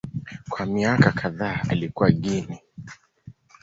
Kwa miaka kadhaa alikaa Guinea.